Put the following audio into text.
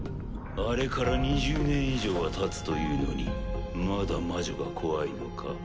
あれから２０年以上はたつというのにまだ魔女が怖いのか？